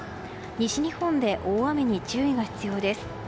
西日本で大雨に注意が必要です。